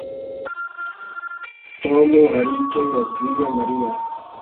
Tom hari icyo yabwiye Mariya